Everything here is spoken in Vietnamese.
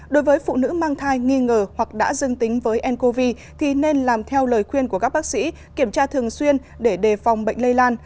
đối với phụ nữ mang thai nghi ngờ hoặc đã dưng tính với ncov thì nên làm theo lời khuyên của các bác sĩ kiểm tra thường xuyên để đề phòng bệnh lây lan